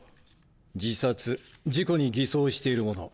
自殺事故に偽装しているもの